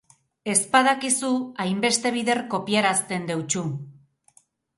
Ez badakizu, hainbeste bider kopiarazten deutsu.